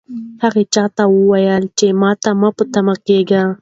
هغه چا ته وویل چې ماته مه په تمه کېږئ.